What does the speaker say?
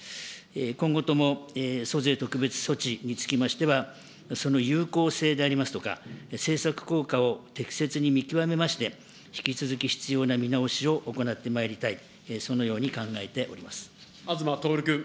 今後とも租税特別措置につきましては、その有効性でありますとか、政策効果を適切に見極めまして、引き続き必要な見直しを行ってまいりたい、そのように考えており東徹君。